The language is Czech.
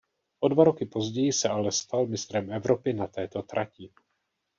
O dva roky později se ale stal mistrem Evropy na této trati.